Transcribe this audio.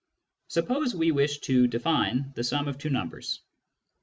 Suppose we wish to define the sum of two numbers.